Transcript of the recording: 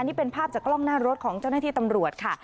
นี่เป็นภาพจากกล้องหน้ารถของเจ้าหน้าที่ตำรวจค่ะ